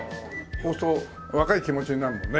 そうすると若い気持ちになるもんね。